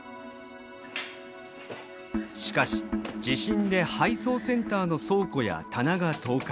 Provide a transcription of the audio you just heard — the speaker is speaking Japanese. しかし地震で配送センターの倉庫や棚が倒壊。